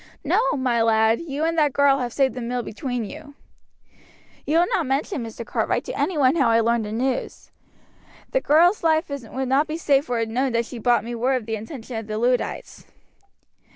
No, my lad, you and that girl have saved the mill between you." "You will not mention, Mr. Cartwright, to any one how I learned the news. The girl's life would not be safe were it known that she brought me word of the intention of the Luddites."